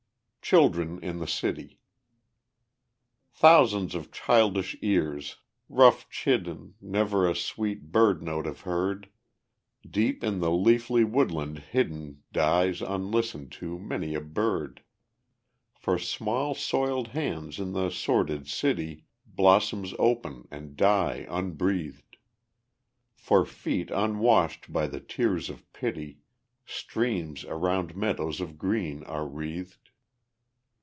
Children in the City Thousands of childish ears, rough chidden, Never a sweet bird note have heard, Deep in the leafy woodland hidden Dies, unlistened to, many a bird. For small soiled hands in the sordid city Blossoms open and die unbreathed; For feet unwashed by the tears of pity Streams around meadows of green are wreathed.